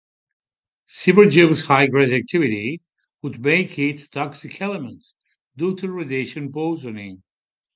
Seaborgium's high radioactivity would make it a toxic element, due to radiation poisoning.